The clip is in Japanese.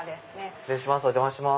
失礼します